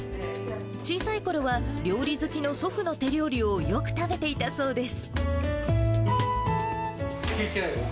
小さいころは、料理好きの祖父の手料理をよく食べていたそうです。